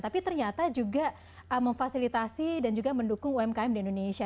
tapi ternyata juga memfasilitasi dan juga mendukung umkm di indonesia